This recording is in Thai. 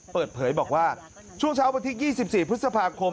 เปิดเผยบอกว่าช่วงเช้าวันที่๒๔พฤษภาคม